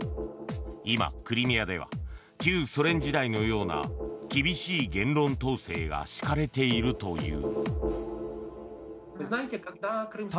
今、クリミアでは旧ソ連時代のような厳しい言論統制が敷かれているという。